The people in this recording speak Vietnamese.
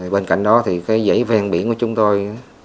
bên cạnh đó thì cái dãy ven biển của chúng tôi